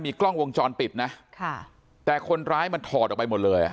กล้องวงจรปิดนะค่ะแต่คนร้ายมันถอดออกไปหมดเลยอ่ะ